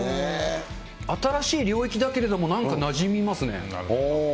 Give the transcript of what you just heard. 新しい領域だけれども、なんかなじみますね。